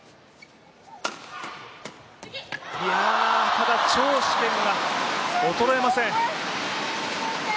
ただ張殊賢が衰えません。